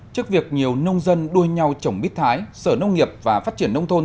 trước việc nhiều nông dân đuôi nhau trồng mít thái sở nông nghiệp và phát triển nông thôn